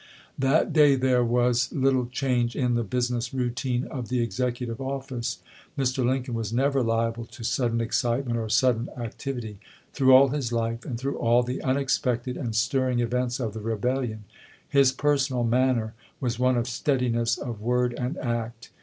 That day there was little change in the busi ness routine of the Executive office. Mr. Lincoln was never liable to sudden excitement or sudden activity. Through all his life, and through all the unexpected and stirring events of the rebellion, his personal manner was one of steadiness of word and act.